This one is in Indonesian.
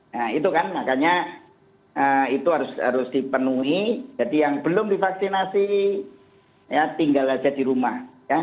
nah itu kan makanya itu harus dipenuhi jadi yang belum divaksinasi ya tinggal aja di rumah